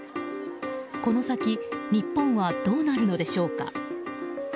この先日本はどうなるのでしょうか？